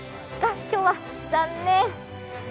今日は残念。